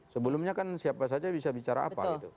sebelumnya kan siapa saja bisa bicara apa